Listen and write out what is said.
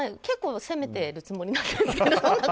結構攻めてるつもりなんですけど。